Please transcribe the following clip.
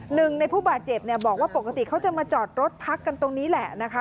หนึ่งในผู้บาดเจ็บเนี่ยบอกว่าปกติเขาจะมาจอดรถพักกันตรงนี้แหละนะคะ